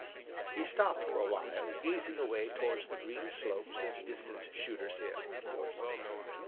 He stopped for a while, gazing away towards the green slopes of distant Shooter's Hill.